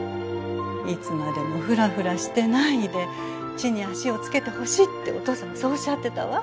いつまでもふらふらしてないで地に足を着けてほしいってお父さまそうおっしゃってたわ。